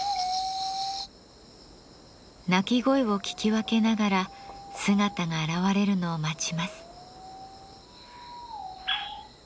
鳴き声を聞き分けながら姿が現れるのを待ちます。